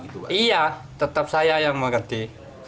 iya tetap saya yang mengerti